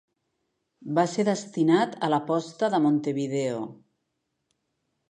Va ser destinat a la posta de Montevideo.